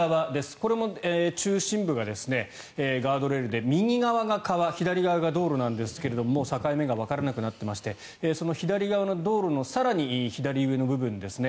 これも中心部がガードレールで右側が川左側が道路なんですけど境目がわからなくなっていましてその左側の道路の更に左上の部分ですね